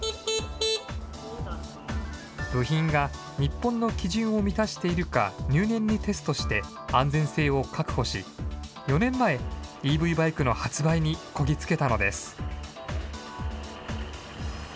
部品が日本の基準を満たしているか入念にテストして、安全性を確保し、４年前、ＥＶバイクの発売にこぎ着けたのです。